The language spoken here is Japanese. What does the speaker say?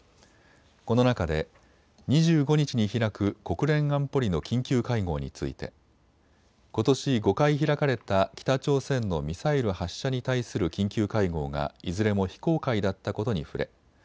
この中で、２５日に開く国連安保理の緊急会合についてことし５回開かれた北朝鮮のミサイル発射に対する緊急会合がいずれも非公開だったことに触れ